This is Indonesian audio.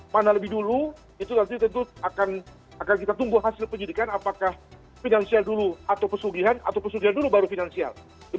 mana lebih dulu itu nanti tentu akan kita tunggu hasil penyidikan apakah finansial dulu atau pesugihan atau pesugihan dulu baru finansial